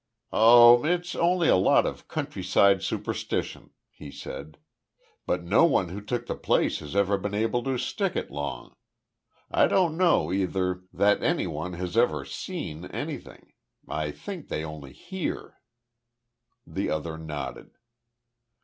"Oh, it's only a lot of countryside superstition," he said. "But no one who took the place has ever been able to stick it long. I don't know either, that any one has ever seen anything. I think they only hear." The other nodded.